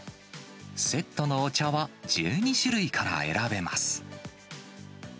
セットのお茶は、１２種類から選べます。